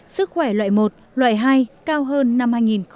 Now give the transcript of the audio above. sức khỏe loại một loại hai cao hơn năm hai nghìn một mươi